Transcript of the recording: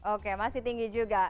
oke masih tinggi juga